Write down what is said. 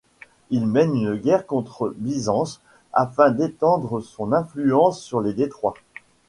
Il mène une guerre contre Byzance afin d’étendre son influence sur les Détroits.